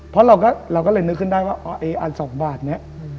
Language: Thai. เพราะเราก็เลยนึกขึ้นได้ว่าอัน๒บาทนี้